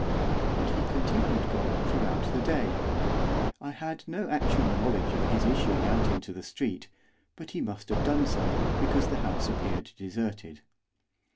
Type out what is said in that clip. And he continued gone throughout the day. I had no actual knowledge of his issuing out into the street, but he must have done so, because the house appeared deserted.